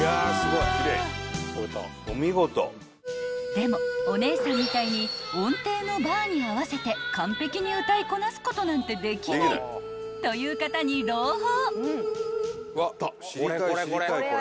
［でもおねえさんみたいに音程のバーに合わせて完璧に歌いこなすことなんてできないという方に朗報］